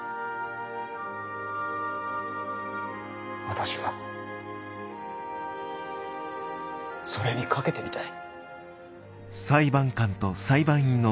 私はそれにかけてみたい。